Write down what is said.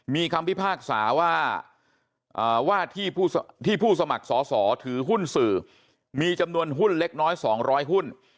มีคำพิพากษาว่าที่ผู้สมัครสอสอถือหุ้นสื่อมีจำนวนหุ้นเล็กน้อย๒๐๐หุ้น